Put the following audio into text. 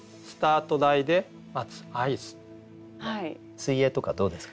水泳とかどうですか？